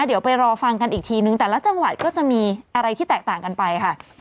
เดี๋ยวไปรอฟังกันอีกทีนึงแต่ละจังหวัดก็จะมีอะไรที่แตกต่างกันไปค่ะ